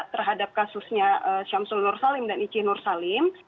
terhadap kasusnya syamsul nur salim dan ici nur salim